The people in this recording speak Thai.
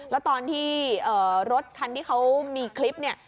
แล้วตอนที่รถคันที่เขามีคลิปเนี่ย